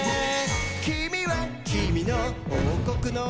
「きみはきみのおうこくの」